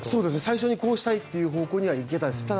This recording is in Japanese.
最初にこうしたいという方向にはいけました。